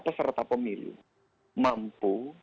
peserta pemilih mampu